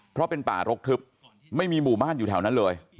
เพราะเป็นป่ารกทึบไม่มีหมู่บ้านอยู่แถวนั้นเลย